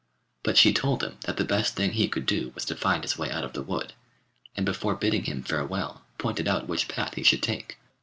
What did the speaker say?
But she told him that the best thing he could do was to find his way out of the wood, and before bidding him farewell pointed out which path he should take.